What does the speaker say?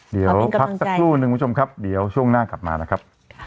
เดี๋ยวพักสักครู่หนึ่งคุณผู้ชมครับเดี๋ยวช่วงหน้ากลับมานะครับ